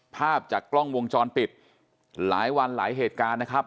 ภาพจากกล้องวงจรปิดหลายวันหลายเหตุการณ์นะครับ